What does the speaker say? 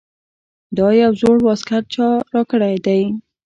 دا یو زوړ واسکټ چا راکړے دے ـ